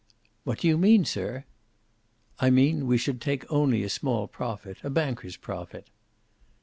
"What do you mean, sir?" "I mean we should take only a small profit. A banker's profit."